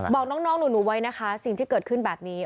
บอกน้องหนูไว้นะคะสิ่งที่เกิดขึ้นแบบนี้